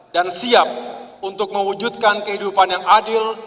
dan siap untuk mewujudkan kehidupan yang adil